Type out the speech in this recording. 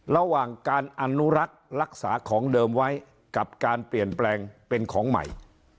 ระหว่างการอนุรักษ์รักษาของเดิมไว้กับการเปลี่ยนแปลงเป็นของใหม่